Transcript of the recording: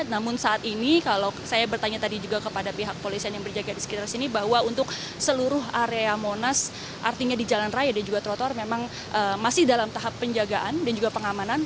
namun saat ini kalau saya bertanya tadi juga kepada pihak polisian yang berjaga di sekitar sini bahwa untuk seluruh area monas artinya di jalan raya dan juga trotor memang masih dalam tahap penjagaan dan juga pengamanan